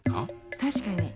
確かに。